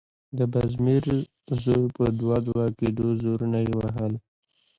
د بازمير زوی په دوه_ دوه کېده، زورونه يې وهل…